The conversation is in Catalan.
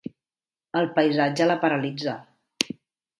El paisatge la paralitza.